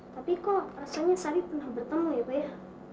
tapi kok rasanya sari pernah bertemu ya pak ya